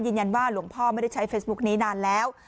หลวงพ่อไม่ได้ใช้เฟซบุ๊กนี้นานแล้ว